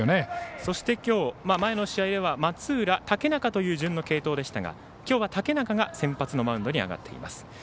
そして今日前の試合では松浦、竹中という順の継投でしたが今日は竹中が先発のマウンドに上がっています。